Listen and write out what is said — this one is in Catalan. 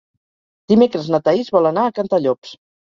Dimecres na Thaís vol anar a Cantallops.